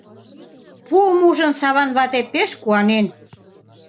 Пуым ужын, Саван вате пеш куанен.